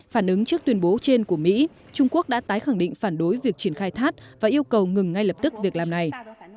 phản ứng trước tuyên bố trên của mỹ trung quốc đã tái khẳng định phản đối việc triển khai thác và yêu cầu ngừng ngay lập tức việc làm này